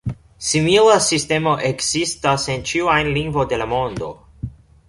Simila sistemo ekzistas en ĉiu ajn lingvo de la mondo.